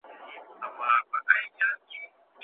که باد ډېر وي، خیمې کلکې وتړئ.